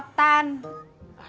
kita gak punya semprotan